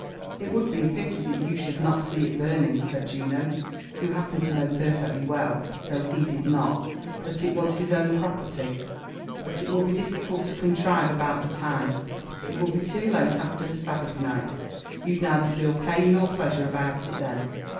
" It would be a pity that you should not see it burning I" said Juno, who liappened to know perfectly well, though he did not, that it was his own properly ;—" bul it will be diffioqlt to contrive about the time. —It will be loo late after the Sabbath night; — you'd neither feel pain nor pleasure about it then."